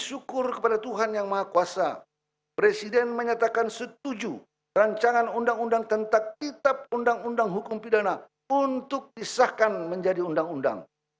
bersyukur kepada tuhan yang maha kuasa presiden menyatakan setuju rancangan undang undang tentang kitab undang undang hukum pidana untuk disahkan menjadi undang undang